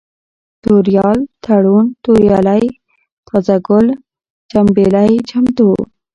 توريال ، تړون ، توريالی ، تازه گل ، چمبېلى ، چمتو